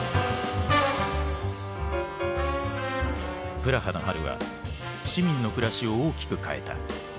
プラハの春は市民の暮らしを大きく変えた。